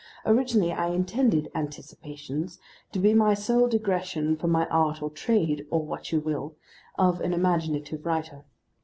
Originally I intended Anticipations to be my sole digression from my art or trade (or what you will) of an imaginative writer.